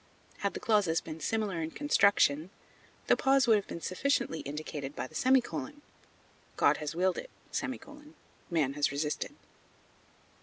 Had the clauses been similar in construction, the pause would have been sufficiently indicated by the semicolon: "God has willed it; man has resisted."